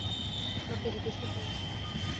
তর্কে জিতে সুখ নেই।